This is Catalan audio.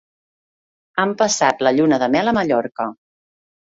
Han passat la lluna de mel a Mallorca.